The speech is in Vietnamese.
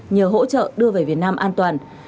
nhờ hỗ trợ đưa về việt nam an toàn